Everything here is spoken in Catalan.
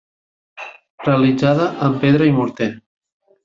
Realitzada amb pedra i morter.